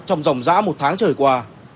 trong dòng dã một tháng trời qua